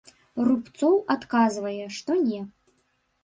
Рубцоў адказвае, што не.